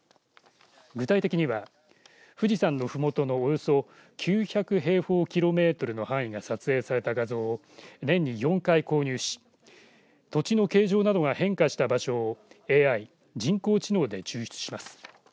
具体的には富士山のふもとのおよそ９００平方キロメートルの範囲が撮影された画像を年に４回購入し土地の形状などが変化した場所をＡＩ、人工知能で抽出します。